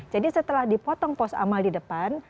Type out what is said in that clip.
jadi setelah dipotong pos amal di depan